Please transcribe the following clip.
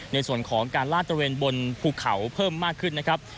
ในส่วนของการลาดตระเวนบนภูเขาเพิ่มมากขึ้นนะครับ